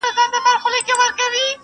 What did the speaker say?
کنعان خوږ دی قاسم یاره د یوسف له شرافته